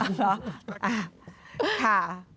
หรือค่ะ